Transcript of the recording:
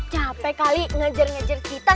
capek kali ngejar ngejar kita